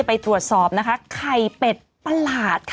ไปตรวจสอบนะคะไข่เป็ดประหลาดค่ะ